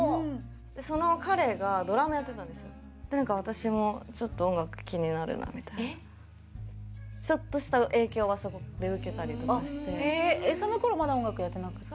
で何か私もちょっと音楽気になるなみたいなちょっとした影響はそこで受けたりとかしてその頃まだ音楽やってなくて？